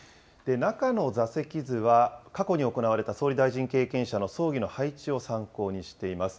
中の座席図は、過去に行われた総理大臣経験者の葬儀の配置を参考にしています。